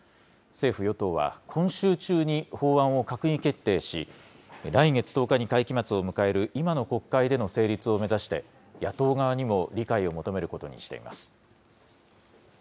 政府・与党は、今週中に法案を閣議決定し、来月１０日に会期末を迎える今の国会での成立を目指して、野党側にも理解を求めることにしています。